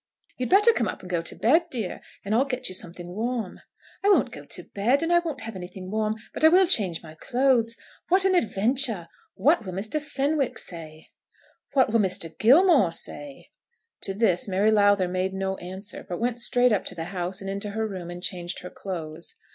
"You'd better come up and go to bed, dear; and I'll get you something warm." "I won't go to bed, and I won't have anything warm; but I will change my clothes. What an adventure! What will Mr. Fenwick say?" "What will Mr. Gilmore say?" To this Mary Lowther made no answer, but went straight up to the house, and into her room, and changed her clothes.